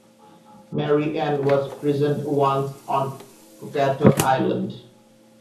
Mary Ann was prisoned once on Cockatoo Island.